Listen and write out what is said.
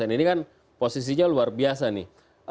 ini kan posisinya luar biasa nih